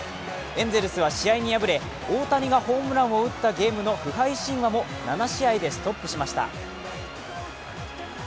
エンゼルスは試合に敗れ大谷がホームランを打った試合の不敗神話も７試合でストップしました。